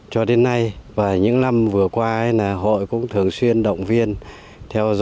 cho đến nay và những năm vừa qua hội cũng thường xuyên động viên theo dõi